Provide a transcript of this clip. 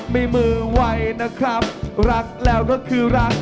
มีมือไวนะครับรักแล้วก็คือรัก